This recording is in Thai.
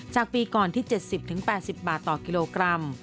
จากปีก่อนที่๗๐๘๐บาทต่อกิโลกรัม